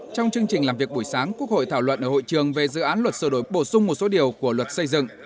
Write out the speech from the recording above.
trong chương trình làm việc buổi sáng quốc hội thảo luận ở hội trường về dự án luật sửa đổi bổ sung một số điều của luật xây dựng